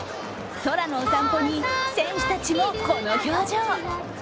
空のお散歩に選手たちもこの表情。